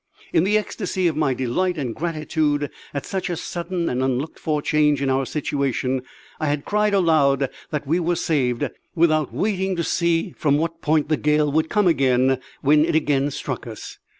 In the ecstasy of my delight and gratitude at such a sudden and unlooked for change in our situation I had cried aloud that we were saved; without waiting to see from what point the gale would come when it again struck us.